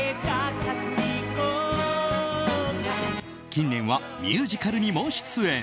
近年はミュージカルにも出演。